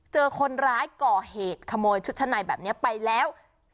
เจอคนร้ายก่อเหตุขโมยชุดชั้นในแบบนี้ไปแล้ว